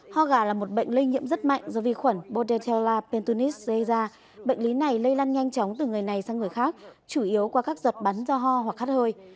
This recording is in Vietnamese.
ho gà là một bệnh lây nhiễm rất mạnh do vi khuẩn botetella pentunis dây ra bệnh lý này lây lan nhanh chóng từ người này sang người khác chủ yếu qua các giọt bắn do ho hoặc hát hơi